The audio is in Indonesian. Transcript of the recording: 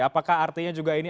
apakah artinya juga ini